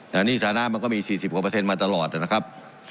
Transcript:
แต่หนี้สถานะมันก็มี๔๖มาตลอดนะครับ